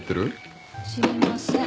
知りません。